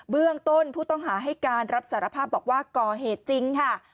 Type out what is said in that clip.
เบื้องต้นผู้ต้องหาให้การรับสารภาพบอกว่าก่อเหตุจริงค่ะ